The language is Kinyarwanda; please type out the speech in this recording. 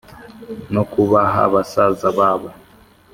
, no kubaha basaza babo.